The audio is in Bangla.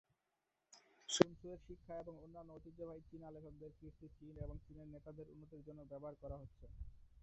সুন সু এর শিক্ষা এবং অন্যান্য ঐতিহ্যবাহী চীনা লেখকদের কীর্তি চীন এবং চীনের নেতাদের উন্নতির জন্য ব্যবহার করা হচ্ছে।